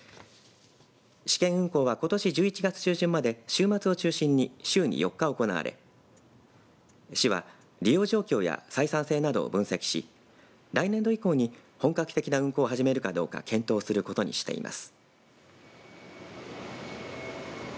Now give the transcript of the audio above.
試験運行はことし１１月中旬まで週末を中心に週に４日行われ市は利用状況や採算性などを分析し来年度以降に本格的な運行を始めるかどうか検討することにしてます。